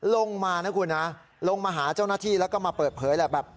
ลงมานะคุณนะลงมาหาเจ้าหน้าที่แล้วก็มาเปิดเผยแหละแบบ